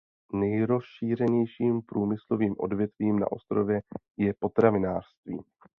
Nejrozšířenějším průmyslovým odvětvím na ostrově je potravinářství.